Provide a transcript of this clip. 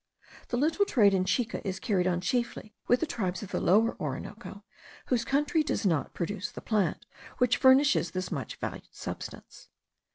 The little trade in chica is carried on chiefly with the tribes of the Lower Orinoco, whose country does not produce the plant which furnishes this much valued substance.